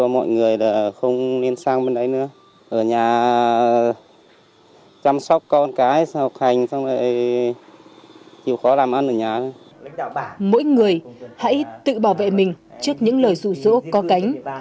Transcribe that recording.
mỗi người hãy tự bảo vệ mình trước những lời rủ rỗ có cánh